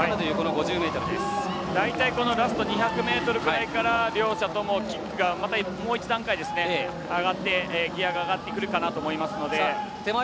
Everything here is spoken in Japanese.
ラスト２００ｍぐらいから両者とも、もう一段階上がってギヤが上がってくるかなと思います。